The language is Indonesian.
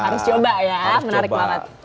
harus coba ya menarik banget